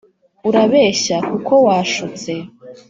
urabeshya kuko washutse,